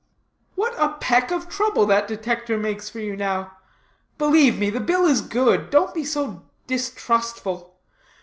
"What a peck of trouble that Detector makes for you now; believe me, the bill is good; don't be so distrustful.